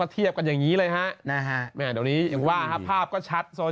เทียบกันอย่างนี้เลยฮะนะฮะแม่เดี๋ยวนี้อย่างว่าภาพก็ชัดโซน